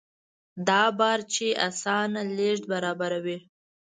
دا بارچي اسانه لېږد برابروي.